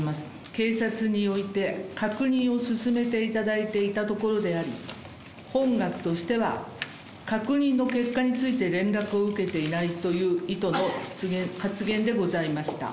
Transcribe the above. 警察において、確認を進めていただいていたところであり、本学としては、確認の結果について連絡を受けていないという意図の発言でございました。